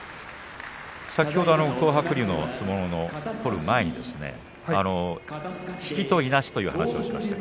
先ほど東白龍の相撲を取る前引きといなしという話をしました。